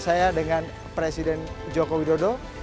saya dengan presiden jokowi dodo